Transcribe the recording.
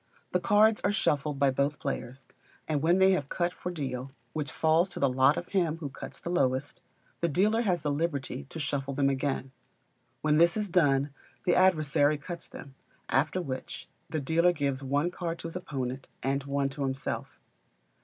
The cards are shuffled by both players, and when they have cut for deal (which falls to the lot of him who cuts the lowest), the dealer has the liberty to shuffle them again. When this is done, the adversary cuts them; after which, the dealer gives one card to his opponent, and one to himself.